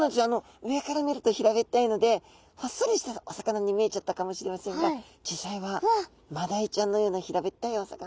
上から見ると平べったいのでほっそりしたお魚に見えちゃったかもしれませんが実際はマダイちゃんのような平べったいお魚。